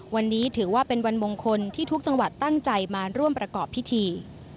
วันนี้ถือว่าเป็นวันมงคลที่ทุกจังหวัดตั้งใจมาร่วมประกอบพิธี